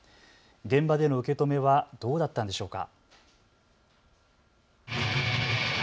現場での受け止めはどうだったんでしょうか。